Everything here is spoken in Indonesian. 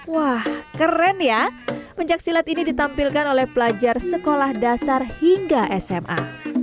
wah keren ya pencaksilat ini ditampilkan oleh pelajar sekolah dasar hingga sma